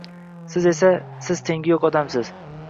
siz esa, siz tengi yo’q odamsiz!